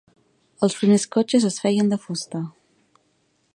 Els primers cotxes es feien de fusta.